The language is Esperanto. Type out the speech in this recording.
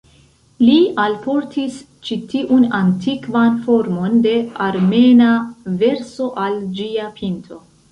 Li alportis ĉi tiun antikvan formon de armena verso al ĝia pinto.